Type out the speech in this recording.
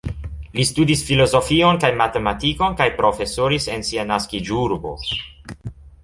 Li studis filozofion kaj matematikon kaj profesoris en sia naskiĝurbo.